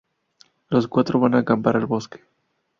Los cuatro van a acampar al bosque.